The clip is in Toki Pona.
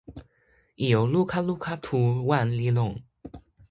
ijo luka luka tu wan li lon.